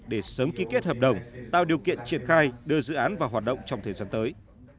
để sớm ký kết hợp đồng tạo điều kiện triển khai đưa dự án vào hoạt động trong thời gian tới